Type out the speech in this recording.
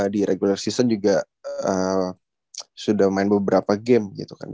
di regular season juga sudah main beberapa game gitu kan